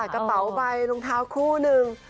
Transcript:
กระเป๋าใบรองเท้าคู่หนึ่ง